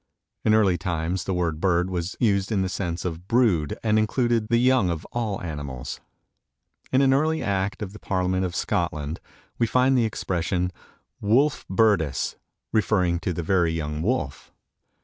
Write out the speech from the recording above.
In early times the word bird was used in the sense of brood and included the young of all animals. In an early act of the Parliament of Scotland we find the expression "Wolf birdis," referring to the very young wolf.